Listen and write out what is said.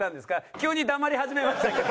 急に黙り始めましたけど。